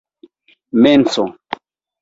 menso